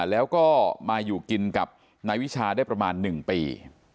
แล้วก็มาอยู่กินกับนายวิชาได้ประมาณ๑ปี